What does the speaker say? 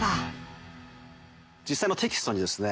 実際のテキストにですね